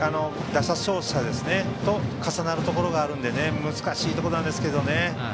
打者走者と重なるところがあるので難しいところなんですけどね。